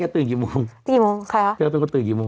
เธอเต็มตื่นกี่มุม